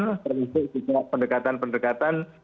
termasuk juga pendekatan pendekatan